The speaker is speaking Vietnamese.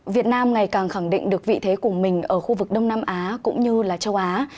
việt nam ngày càng khẳng định được vị thế của mình ở khu vực đông nam á cũng như là châu á